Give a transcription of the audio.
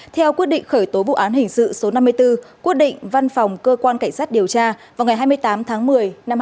theo quyết định khởi tố vụ án hình sự số năm mươi bốn quyết định văn phòng cơ quan cảnh sát điều tra vào ngày hai mươi tám tháng một mươi năm hai nghìn hai mươi